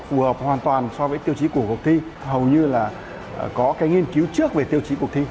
phù hợp hoàn toàn so với tiêu chí của cuộc thi hầu như là có cái nghiên cứu trước về tiêu chí cuộc thi